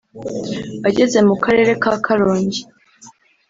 Ageze mu karere ka Karongi